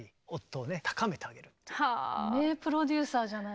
名プロデューサーじゃないですか。